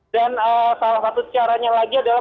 salah satu caranya lagi adalah